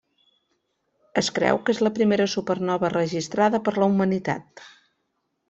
Es creu que és la primera supernova registrada per la humanitat.